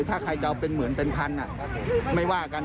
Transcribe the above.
ถ้าใครเจ้าเป็นหมื่นเซอร์ไม่ว่ากัน